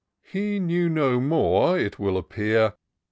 He knew no more, it will appear.